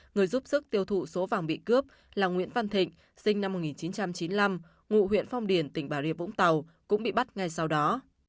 nguyễn linh đoan bị bắt khi đang lẩn trốn tại một nhà nghỉ trên địa bàn thành phố vũng tàu tỉnh bà riệp vũng tàu còn trần quang triệu đến phòng cảnh sát hình sự công an tỉnh bình dương xin đầu thú